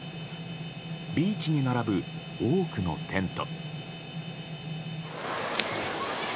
ビーチに並ぶ多くのテント。